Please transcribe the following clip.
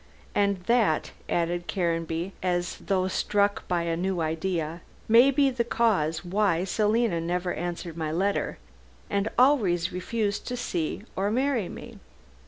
And that," added Caranby, as though struck with a new idea, "may be the cause why Selina never answered my letter, and always refused to see or marry me.